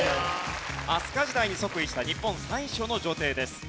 飛鳥時代に即位した日本最初の女帝です。